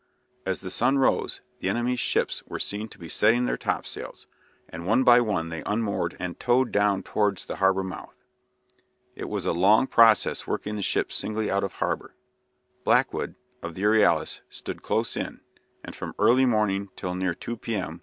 As the sun rose the enemy's ships were seen to be setting their topsails, and one by one they unmoored and towed down towards the harbour mouth. It was a long process working the ships singly out of harbour. Blackwood, of the "Euryalus," stood close in, and from early morning till near 2 p.m.